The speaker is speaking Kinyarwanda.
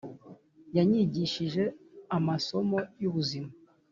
yanyigishije amasomo y'ubuzima